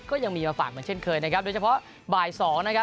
ก็ยังมีมาฝากเหมือนเช่นเคยนะครับโดยเฉพาะบ่ายสองนะครับ